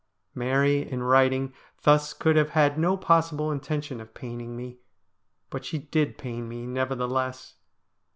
Mary in writing thus could have had no possible intention of paining me, but she did pain me, nevertheless.